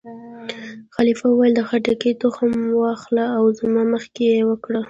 خلیفه وویل: د خټکي تخم وا اخله او زما مخکې یې وکره.